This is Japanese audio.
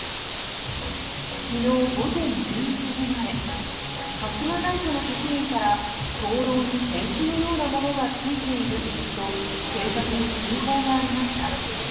きのう午前１１時前、春日大社の職員から、灯籠にペンキのようなものがついていると警察に通報がありました。